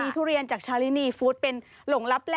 พี่หมื่นลองมั้ยฮะ